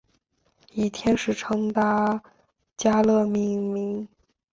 以天使长米迦勒命名。